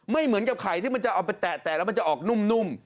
ไม่เหมือนกับไข่ที่มันจะเอาไปแตะแล้วมันจะออกนุ่ม